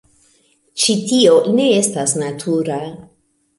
Ĉi tio ne estas natura...